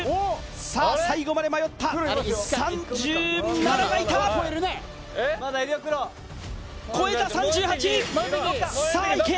さあ最後まで迷った３７がいた超えた３８さあいけ！